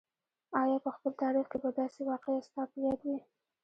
آیا په خپل تاریخ کې به داسې واقعه ستا په یاد وي.